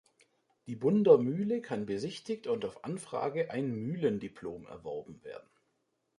Die Bunder Mühle kann besichtigt und auf Anfrage ein "Mühlen-Diplom" erworben werden.